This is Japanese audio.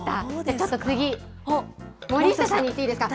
ちょっと次、森下さんにいっていいですか。